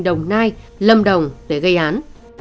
đồng nai lâm đồng để gây án